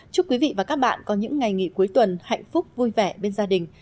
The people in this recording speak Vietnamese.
chúc quý vị và các bạn có những ngày nghỉ cuối tuần hạnh phúc vui vẻ bên gia đình